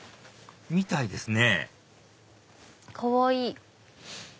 みたいですねかわいい。